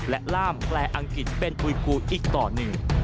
และล่ามแปลอังกฤษเป็นอุยกูอีกต่อหนึ่ง